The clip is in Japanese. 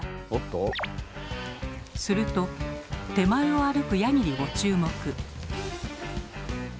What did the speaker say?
すると手前を歩くヤギにご注目。